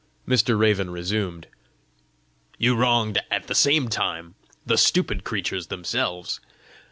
Mr. Raven resumed: "You wronged at the same time the stupid creatures themselves.